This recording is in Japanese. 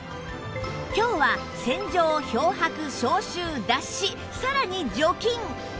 今日は洗浄漂白消臭脱脂さらに除菌！